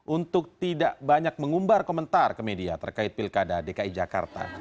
untuk tidak banyak mengumbar komentar ke media terkait pilkada dki jakarta